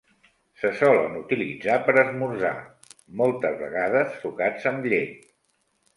Se solen utilitzar per esmorzar, moltes vegades sucats amb llet.